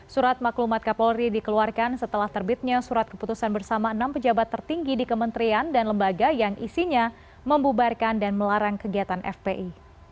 surat maklumat kapolri dikeluarkan setelah terbitnya surat keputusan bersama enam pejabat tertinggi di kementerian dan lembaga yang isinya membubarkan dan melarang kegiatan fpi